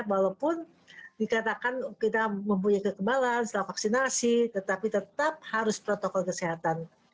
walaupun dikatakan kita mempunyai kekebalan setelah vaksinasi tetapi tetap harus protokol kesehatan